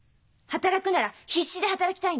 働くなら必死で働きたいんです。